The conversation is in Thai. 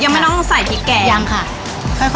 ยังไม่ต้องใส่พริกแกงเหรอคะยังค่ะ